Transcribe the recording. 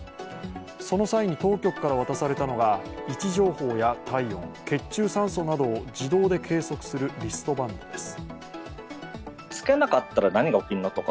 その際に当局から渡されたのが位置情報や体温血中酸素などを自動で計測するリストバンドです。